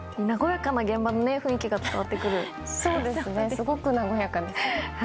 すごく和やかです。